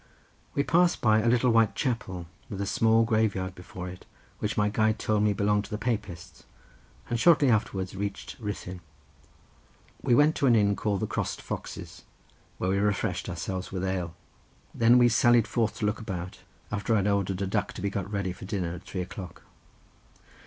We passed by a little white chapel with a small graveyard before it, which my guide told me belonged to the Baptists, and shortly afterwards reached Ruthyn. We went to an inn called the Crossed Foxes, where we refreshed ourselves with ale. We then sallied forth to look about, after I had ordered a duck to be got ready for dinner, at three o'clock.